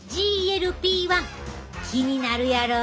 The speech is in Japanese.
ＧＬＰ−１気になるやろ。